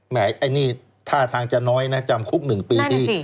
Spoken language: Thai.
ไอ้นี่ท่าทางจะน้อยนะจำคุก๑ปีที่